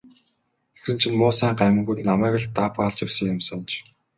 Тэгсэн чинь муусайн гамингууд намайг л даапаалж явсан юм санж.